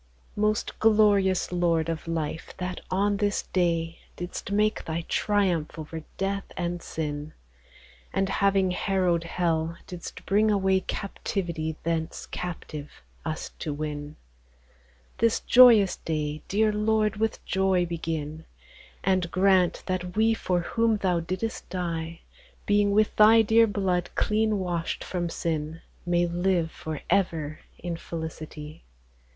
Most glorious Lord of lyfe that on this Day, Didst make Thy Triumph over Death and Sin ; And, having harrow'd Hell, didst bring away Captivity thence Captive, us to win : This joyous Day, deare Lord, with Joy begin ; And grant that wee for whom thou dicldest dy, Being with Thy deare Blood clene washt from Sin, May live for ever in felicity